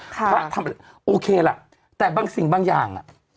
พระทำอะไรโอเคแหละแต่บางสิ่งบางอย่าง